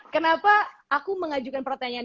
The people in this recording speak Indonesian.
kenapa aku mengajukan pertanyaan